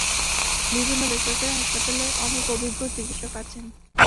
বিভিন্ন বেসরকারি হাসপাতালে অনেক অভিজ্ঞ চিকিৎসক আছেন।